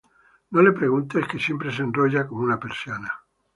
No le preguntes que siempre se enrolla como una persiana